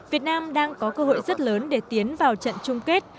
việt nam đang có cơ hội rất lớn để tiến vào trận chung kết